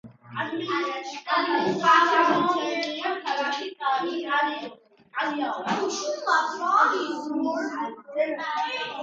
ადმინისტრაციული ცენტრია ქალაქი კალიაო.